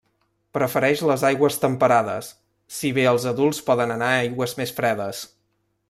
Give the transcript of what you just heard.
Prefereix les aigües temperades, si bé els adults poden anar a aigües més fredes.